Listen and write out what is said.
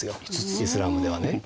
イスラームではね。